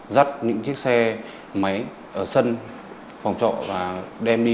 dắt những chiếc xe máy ở sân phòng trọ và đem đi